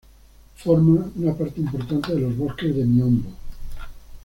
Forma una parte importante de los bosques de miombo.